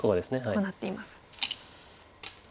こうなっています。